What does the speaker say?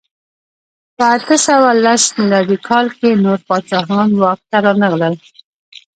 په اته سوه لس میلادي کال کې نور پاچاهان واک ته رانغلل.